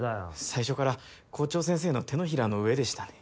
最初から校長先生の手のひらの上でしたね。